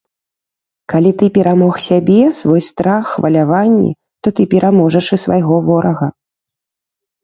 Калі ты перамог сябе, свой страх, хваляванні, то ты пераможаш і свайго ворага.